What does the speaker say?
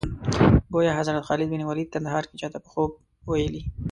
ګویا حضرت خالد بن ولید کندهار کې چا ته په خوب ویلي.